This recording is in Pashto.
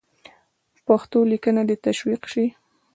پښتو لیکنه دې تشویق سي.